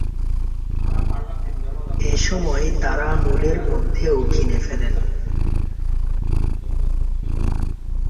এসময় তারা মূল এর মধ্যে ও কিনে ফেলেন।